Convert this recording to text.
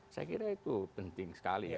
saya kira itu penting sekali ya